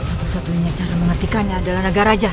satu satunya cara mengatikannya adalah naga raja